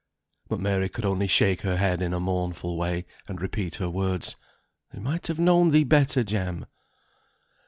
But Mary could only shake her head in a mournful way, and repeat her words, "They might have known thee better, Jem."